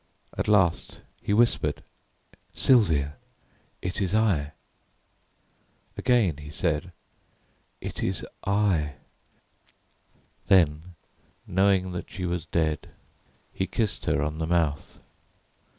At last he whispered: "Sylvia, it is I." Again he said, "It is I." Then, knowing that she was dead, he kissed her on the mouth.